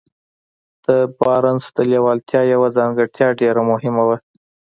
د بارنس د لېوالتیا يوه ځانګړتيا ډېره مهمه وه.